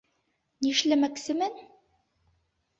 Нишләмәксемен?